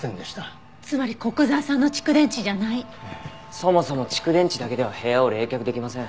そもそも蓄電池だけでは部屋を冷却できません。